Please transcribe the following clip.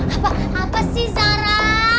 apa apa sih zara